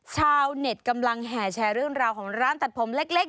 ชาวเน็ตกำลังแห่แชร์เรื่องราวของร้านตัดผมเล็ก